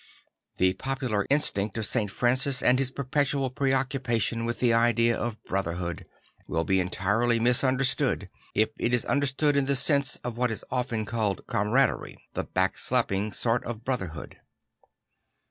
The popular instinct of St. Francis, and his perpetual preoccupation \vith the idea of brotherhood, will be entirely misunderstood if it is understood in the sense of what is often called camaraderie; the back slapping sort of brother hood.